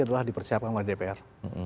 adalah dipersiapkan oleh dpr